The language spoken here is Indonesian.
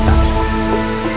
saya akan mencari penghentian rai